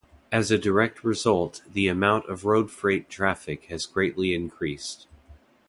As a direct result, the amount of road freight traffic has greatly increased.